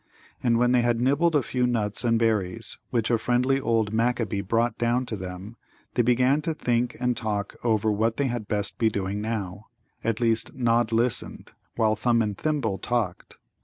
And when they had nibbled a few nuts and berries which a friendly old Manquabee brought down to them, they began to think and talk over what they had best be doing now at least, Nod listened, while Thumb and Thimble talked.